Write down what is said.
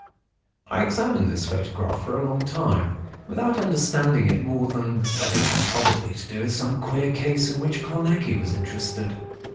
I examined this photograph for a long time, without understanding it more than that it had probably to do with some queer Case in which Carnacki was interested.